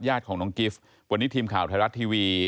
ญาติของน้องกิฟต์วันนี้ทีมข่าวไทยรัฐทีวี